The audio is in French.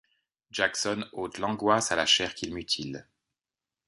Jackson ôte l’angoisse à la chair qu’il mutile ;